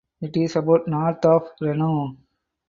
It is about north of Reno.